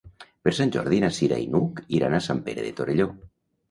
Per Sant Jordi na Cira i n'Hug iran a Sant Pere de Torelló.